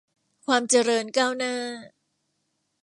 ความเจริญก้าวหน้า